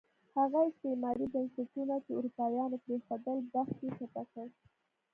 هغه استعماري بنسټونه چې اروپایانو پرېښودل، بخت یې چپه کړ.